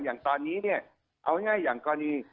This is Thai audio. อย่างตอนนี้เนี่ยเอาง่ายอย่างกรณี